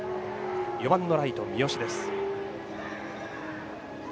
４番のライト、三好です。